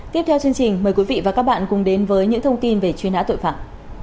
tiếp theo chương trình mời quý vị và các bạn cùng đến với những thông tin về truy nã tội phạm